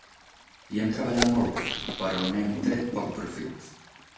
Hi hem treballat molt, però n'hem tret poc profit.